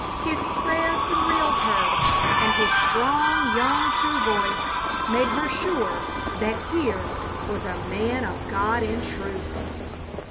His prayer thrilled her, and his strong, young, true voice made her sure that here was a man of God in truth.